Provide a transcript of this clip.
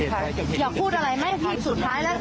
ไม่เอยาคุดอะไรมั้ยพี่สูดท้ายละยั้ง